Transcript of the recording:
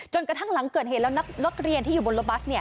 กระทั่งหลังเกิดเหตุแล้วนักเรียนที่อยู่บนรถบัสเนี่ย